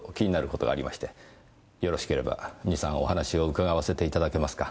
よろしければ２３お話を伺わせていただけますか？